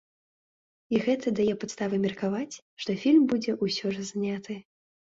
І гэта дае падставы меркаваць, што фільм будзе ўсё ж зняты.